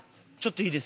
いいです。